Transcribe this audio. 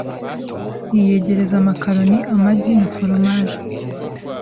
yiyegereza amakaroni, amagi na foromaje,